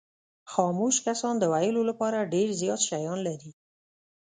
خاموش کسان د ویلو لپاره ډېر زیات شیان لري.